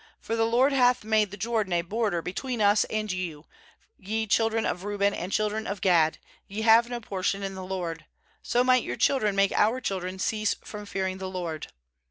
25for the LOBD hath made the Jordan a border between us and you, ye children of Reuben and children of Gad; ye have no portion in the LORD; so might your children make our children cease from fearing the LORD.